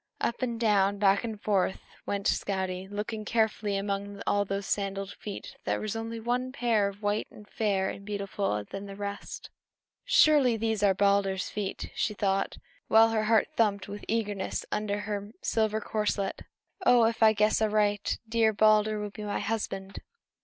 Up and down, back and forth, went Skadi, looking carefully; and among all those sandaled feet there was one pair more white and fair and beautiful than the rest. "Surely, these are Balder's feet!" she thought, while her heart thumped with eagerness under her silver corselet. "Oh, if I guess aright, dear Balder will be my husband!"